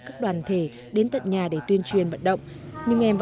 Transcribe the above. các đoàn thể đến tận nhà để tuyên truyền vận động